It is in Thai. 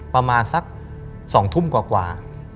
ประมาณสัก๒ทุ่มกว่า